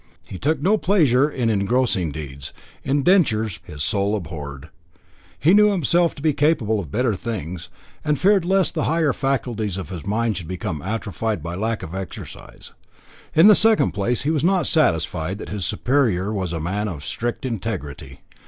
He took no pleasure in engrossing deeds; indentures his soul abhorred. He knew himself to be capable of better things, and feared lest the higher faculties of his mind should become atrophied by lack of exercise. In the second place, he was not satisfied that his superior was a man of strict integrity.